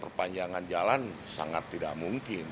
perpanjangan jalan sangat tidak mungkin